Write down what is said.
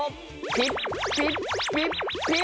ピッピッピッピッ。